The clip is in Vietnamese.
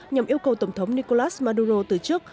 nhằm yêu cầu tổng thống nicolas maduro từ chức